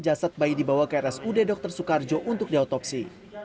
jasad bayi dibawa ke rsud dr soekarjo untuk diotopsi